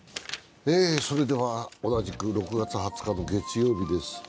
同じく６月２０日の月曜日です